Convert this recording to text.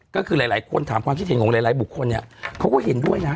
ก็คือหลายคนถามความคิดเห็นของหลายบุคคลเนี่ยเขาก็เห็นด้วยนะ